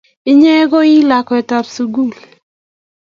Inye ko I lakwetab sugul